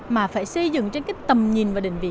mà phải xây dựng trên cái tầm nhìn và định vị